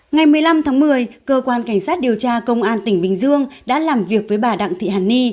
ngày một mươi năm tháng một mươi cơ quan cảnh sát điều tra công an tỉnh bình dương đã làm việc với bà đặng thị hàn ni